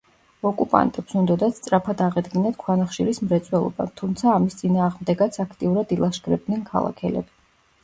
ოკუპანტებს უნდოდათ სწრაფად აღედგინათ ქვანახშირის მრეწველობა, თუმცა ამის წინააღმდეგაც აქტიურად ილაშქრებდნენ ქალაქელები.